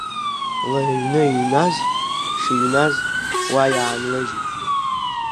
Лыҩны иҩназ, шыҩназ, уа иаанлыжьит.